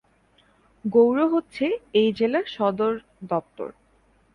গৌর হচ্ছে এই জেলার সদরদপ্তর।